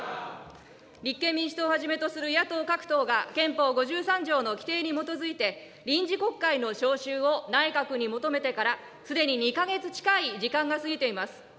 立憲民主党をはじめとする野党各党が憲法５３条の規定に基づいて、臨時国会の召集を内閣に求めてから、すでに２か月近い時間が過ぎています。